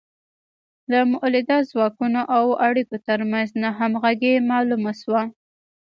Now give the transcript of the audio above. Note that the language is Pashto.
د مؤلده ځواکونو او اړیکو ترمنځ ناهمغږي معلومه شوه.